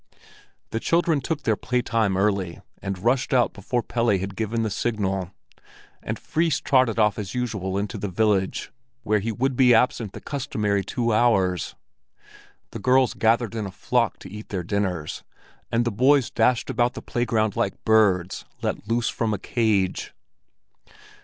The children took their playtime early, and rushed out before Pelle had given the signal; and Fris trotted off as usual into the village, where he would be absent the customary two hours. The girls gathered in a flock to eat their dinners, and the boys dashed about the playground like birds let loose from a cage.